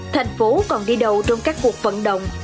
thành phố còn đi đầu trong các cuộc vận động